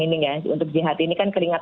ini ya untuk jihad ini kan keringat